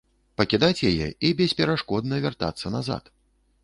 Пакідаць яе і бесперашкодна вяртацца назад.